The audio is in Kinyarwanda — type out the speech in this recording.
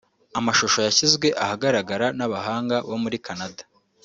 Amashusho yashyizwe ahagaragara n’abahanga bo muri Canada